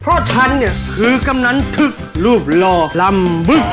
เพราะฉันคือกำแน่นลูบรอลำเบื้อง